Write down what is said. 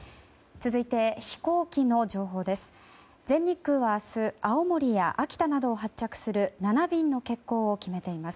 続いて飛行機の情報です。